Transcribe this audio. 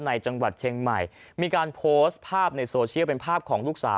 จังหวัดเชียงใหม่มีการโพสต์ภาพในโซเชียลเป็นภาพของลูกสาว